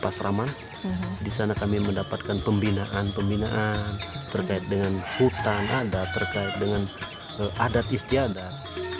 asrama di sana kami mendapatkan pembinaan pembinaan terkait dengan hutan adat terkait dengan adat istiadat